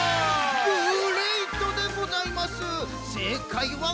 グレイトでございます！